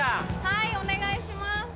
はいお願いします。